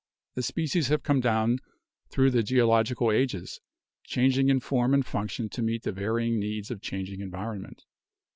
The species have come down through the geological ages, changing in form and function to meet the varying needs of changing environment.